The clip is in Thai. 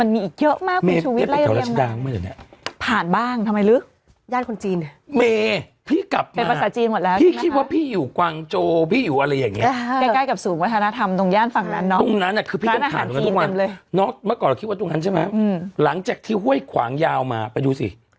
เมื่อก่อนเราคิดว่าตรงนั้นใช่ไหมหลังจากที่ห้วยขวางยาวมาไปดูสิ